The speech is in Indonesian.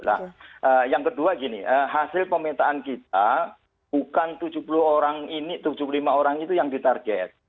nah yang kedua gini hasil pemetaan kita bukan tujuh puluh orang ini tujuh puluh lima orang itu yang ditarget